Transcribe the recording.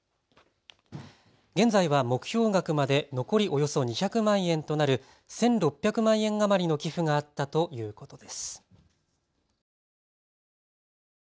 現在は目標額まで残りおよそ２００万円となる１６００万円余りの寄付があったということです。